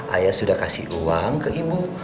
ayah sudah kasih uang ke ibu